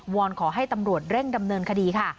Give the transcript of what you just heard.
อนขอให้ตำรวจเร่งดำเนินคดีค่ะ